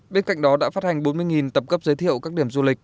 bên cạnh đó đã phát hành bốn mươi tập cấp giới thiệu các điểm du lịch